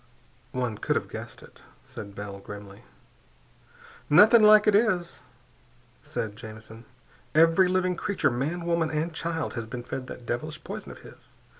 "One could have guessed it," said Bell grimly. "Nothing like it is," said Jamison. "Every living creature, man, woman, and child, has been fed that devilish poison of his.